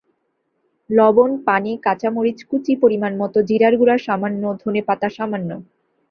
লবণ, পানি, কাঁচা মরিচ কুচি পরিমাণমতো, জিরার গুঁড়া সামান্য, ধনেপাতা সামান্য।